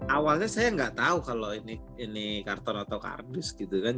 awalnya saya nggak tahu kalau ini karton atau kardus gitu kan